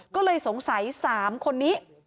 ก็เลยสงสัย๓คนนี้